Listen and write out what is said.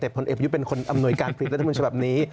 แต่ผลเอกประยุทธ์เป็นคนอำนวยการคลิปรัฐธรรมนิชย์แบบนี้